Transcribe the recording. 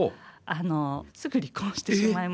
あのすぐ離婚してしまいまして。